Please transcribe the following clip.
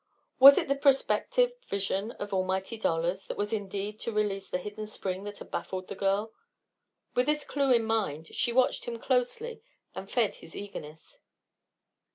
Was it the prospective vision of almighty dollars that was needed to release the hidden spring that had baffled the girl? With this clue in mind, she watched him closely and fed his eagerness.